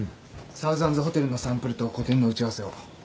サウザンズホテルのサンプルと個展の打ち合わせを。